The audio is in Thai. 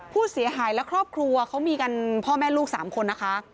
ผู้เสียหายและครอบครัวเขามีกันพ่อแม่ลูก๓คนนะคะ